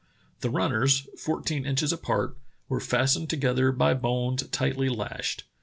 "The runners, fourteen inches apart, were fastened together by bones tightly lashed.